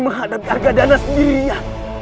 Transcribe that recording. menghadapi harga dana sendirinya